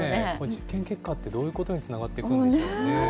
実験結果って、どういうことにつながってくるんでしょうね。